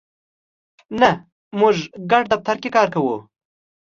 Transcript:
نه، موږ ګډ دفتر کی کار کوو